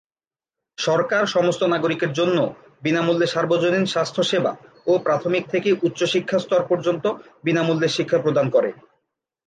সরকার সমস্ত নাগরিকের জন্য বিনামূল্যে সার্বজনীন স্বাস্থ্যসেবা ও প্রাথমিক থেকে উচ্চশিক্ষা স্তর পর্যন্ত বিনামূল্যে শিক্ষা প্রদান করে।